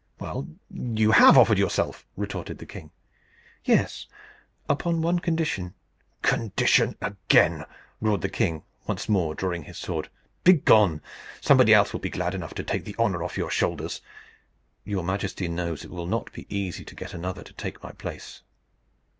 "Well, you have offered yourself," retorted the king. "Yes, upon one condition." "Condition again!" roared the king, once more drawing his sword. "Begone! Somebody else will be glad enough to take the honour off your shoulders." "Your majesty knows it will not be easy to get another to take my place."